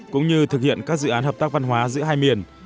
cũng như thực hiện các dự án hợp tác văn hóa giữa hai miền